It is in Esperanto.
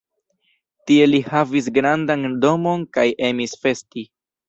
Tie li havis grandan domon kaj emis festi.